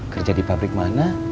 kerja di pabrik mana